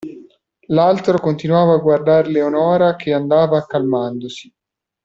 L'altro continuava a guardar Leonora che andava calmandosi.